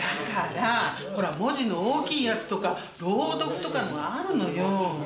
だから文字の大きいやつとか朗読とかのがあるのよ。